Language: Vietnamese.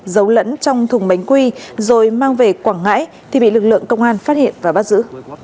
giấu lẫn trong thùng bánh quy rồi mang về quảng ngãi thì bị lực lượng công an phát hiện và bắt giữ